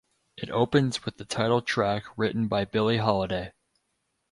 It opens with the title track written by Billie Holiday.